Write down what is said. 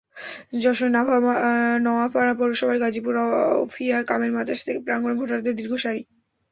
যশোরের নওয়াপাড়া পৌরসভার গাজীপুর রওফিয়া কামিল মাদ্রাসা কেন্দ্র প্রাঙ্গণে ভোটারদের দীর্ঘ সারি।